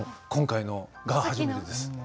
今回のが初めてです。